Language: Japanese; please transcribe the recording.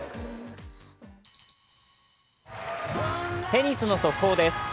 テニスの速報です。